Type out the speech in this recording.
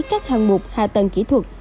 các hàng mục hạ tầng kỹ thuật